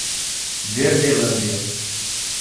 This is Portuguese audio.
Verdelândia